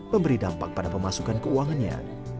memberi dampak pada pemasukan keuangannya